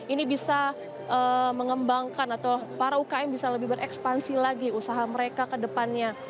ini bisa mengembangkan atau para ukm bisa lebih berekspansi lagi usaha mereka ke depannya